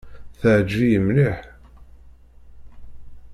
Teɛǧeb-iyi mliḥ.